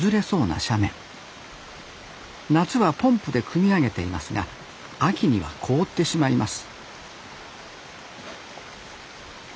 夏はポンプでくみ上げていますが秋には凍ってしまいます